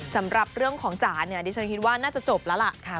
สำหรับเรื่องของจ๋าเนี่ยดิฉันคิดว่าน่าจะจบแล้วล่ะค่ะ